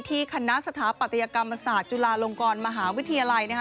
คณะสถาปัตยกรรมศาสตร์จุฬาลงกรมหาวิทยาลัยนะคะ